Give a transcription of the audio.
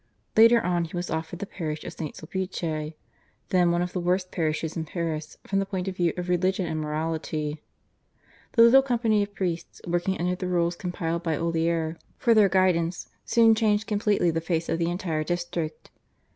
Later on he was offered the parish of St. Sulpice, then one of the worst parishes in Paris from the point of view of religion and morality. The little community of priests working under the rules compiled by Olier for their guidance soon changed completely the face of the entire district.